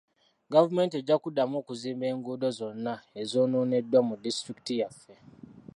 Gavumenti ejja kuddamu okuzimba enguudo zonna ezoonooneddwa mu disitulikiti yaffe